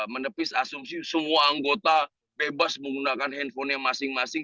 menepis asumsi semua anggota bebas menggunakan handphonenya masing masing